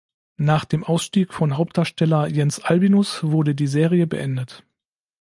Nach dem Ausstieg von Hauptdarsteller Jens Albinus wurde die Serie beendet.